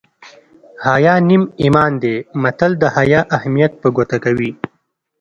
حیا نیم ایمان دی متل د حیا اهمیت په ګوته کوي